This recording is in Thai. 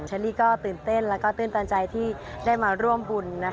เชอรี่ก็ตื่นเต้นแล้วก็ตื่นตันใจที่ได้มาร่วมบุญ